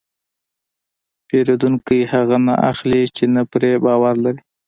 پیرودونکی هغه نه اخلي چې نه پرې باور لري.